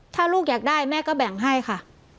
ถ้าลูกอยากได้แม่ก็แบ่งให้ค่ะ